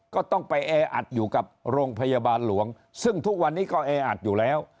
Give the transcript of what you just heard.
ก็ต้องไปแออัดอยู่กับโรงพยาบาลหลวงซึ่งทุกวันนี้ก็แออัดอยู่แล้ว